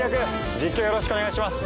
実況よろしくお願いします。